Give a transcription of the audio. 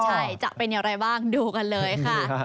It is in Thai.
ใช่จะเป็นอย่างไรบ้างดูกันเลยค่ะ